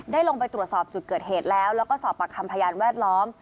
ลงไปตรวจสอบจุดเกิดเหตุแล้วแล้วก็สอบปากคำพยานแวดล้อม